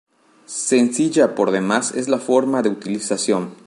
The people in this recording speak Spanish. Sencilla por demás es la forma de utilización.